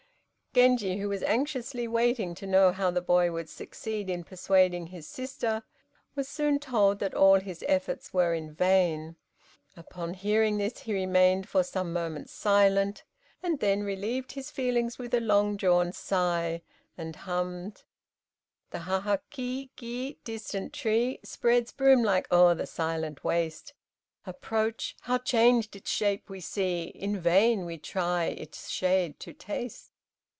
Genji, who was anxiously waiting to know how the boy would succeed in persuading his sister, was soon told that all his efforts were in vain. Upon hearing this he remained for some moments silent, and then relieved his feelings with a long drawn sigh, and hummed: "The Hahaki gi distant tree Spreads broom like o'er the silent waste; Approach, how changed its shape we see, In vain we try its shade to taste."